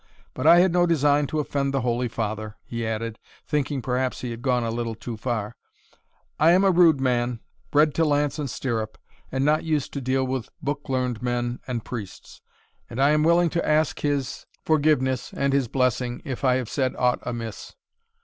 But I had no design to offend the holy father," he added, thinking perhaps he had gone a little too far; "I am a rude man, bred to lance and stirrup, and not used to deal with book learned men and priests; and I am willing to ask his forgiveness and his blessing, if I have said aught amiss."